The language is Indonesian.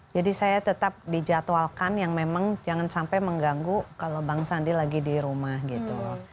jadi saya tetap dijadwalkan yang memang jangan sampai mengganggu kalau bang sandi lagi di rumah gitu loh